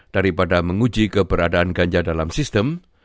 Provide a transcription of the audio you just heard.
daripada menguji keberadaan ganja dalam sistem